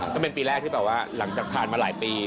ก็เป็นปีแรกที่แบบว่าหลังจากผ่านมาหลายปี